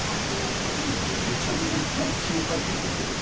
秋元さんってめちゃめちゃいっぱい詞を書いてるって事ですか？